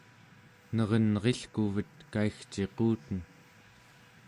nerenrilkuvet kaigciquten